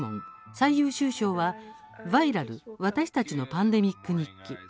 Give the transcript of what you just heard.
最優秀賞は「ヴァイラル私たちのパンデミック日記」。